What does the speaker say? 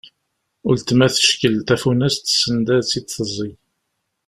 Ultma teckel tafunast send ad tt-id-teẓẓeg.